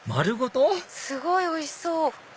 すごいおいしそう！